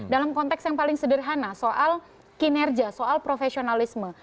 dalam konteks yang paling sederhana soal kinerja soal profesionalisme